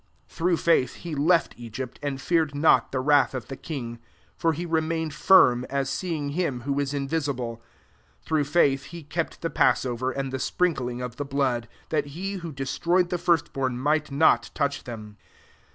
27 Through feith, he left Sgypt, and feared not the wrath )f the king : for he remained irm, as seeing Him who is invi lible* 28 Through faith he kept he passover, and the sprinkling )f the blood ; that he who des royed the first bom might not ouch them.